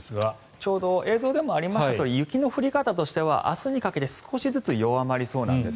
ちょうど映像でもありましたとおり雪の降り方としては明日にかけて少しずつ弱まりそうなんです。